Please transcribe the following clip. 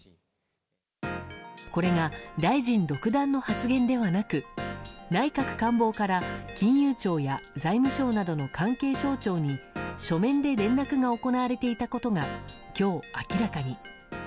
これが、大臣独断の発言ではなく内閣官房から金融庁や財務省などの関係省庁に書面で連絡が行われていたことが今日明らかに。